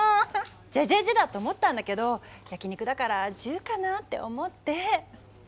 「じぇじぇじぇ」だと思ったんだけど焼き肉だから「じゅ」かなって思って。